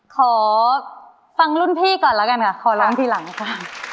ขอฟังรุ่นพี่ก่อนแล้วกันค่ะขอร้องทีหลังค่ะ